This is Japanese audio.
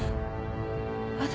私？